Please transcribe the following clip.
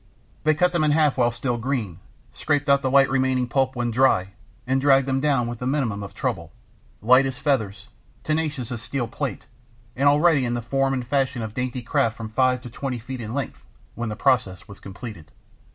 They cut them in half while still green, scraped out the light remaining pulp when dry, and dragged them down with the minimum of trouble, light as feathers, tenacious as steel plate, and already in the form and fashion of dainty craft from five to twenty feet in length, when the process was completed.